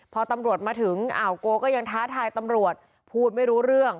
พอตำรวจมาถึงอ่าวโกก็ยังท้าทายตำรวจพูดไม่รู้เรื่อง